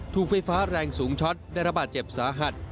ถูกไฟฟ้าแรงสูงช็อตได้รับบาดเจ็บสาหัส